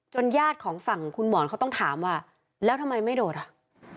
ญาติของฝั่งคุณหมอนเขาต้องถามว่าแล้วทำไมไม่โดดอ่ะ